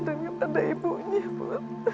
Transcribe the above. daripada ibunya bu